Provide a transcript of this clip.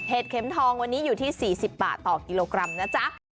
เข็มทองวันนี้อยู่ที่๔๐บาทต่อกิโลกรัมนะจ๊ะ